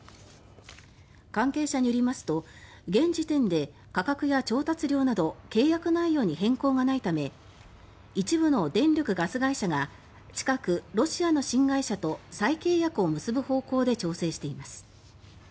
関係者によりますと現時点で価格や調達量など契約内容に変更がないため一部の電力・ガス会社が近くロシアの新会社と再契約を結ぶ方向で調整しています。